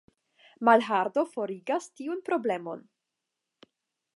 Malhardo forigas tiun problemon.